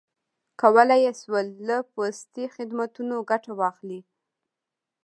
کولای یې شول له پوستي خدمتونو ګټه واخلي.